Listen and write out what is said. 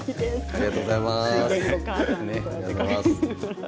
ありがとうございます。